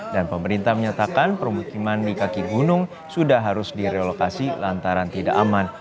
dan pemerintah menyatakan permukiman di kaki gunung sudah harus direlokasi lantaran tidak aman